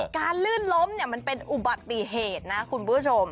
ลื่นล้มเนี่ยมันเป็นอุบัติเหตุนะคุณผู้ชม